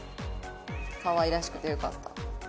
かわいらしくてよかった」。